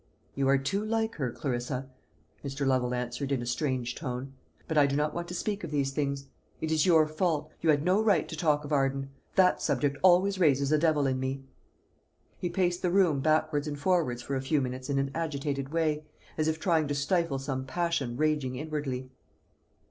"You are too like her, Clarissa," Mr. Lovel answered, in a strange tone. "But I do not want to speak of these things. It is your fault; you had no right to talk of Arden. That subject always raises a devil in me." He paced the room backwards and forwards for a few minutes in an agitated way, as if trying to stifle some passion raging inwardly.